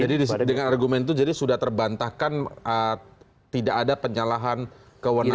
jadi dengan argumen itu jadi sudah terbantahkan tidak ada penyalahan kewenangan mengizinkan haris azhar